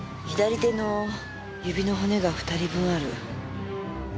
左手の指の骨が２人分ある。